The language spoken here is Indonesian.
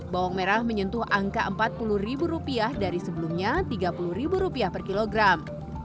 bawang merah menyentuh angka rp empat puluh dari sebelumnya rp tiga puluh per kilogram